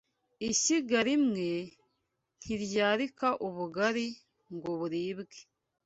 Ishyiga rimwe ntiryarika ubugari ngoburibwe